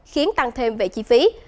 khiến tăng thêm về chi phí